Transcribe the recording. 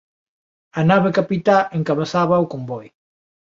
A nave capitá encabezaba o convoi.